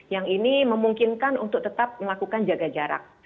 yang ini memungkinkan untuk tetap melakukan jaga jarak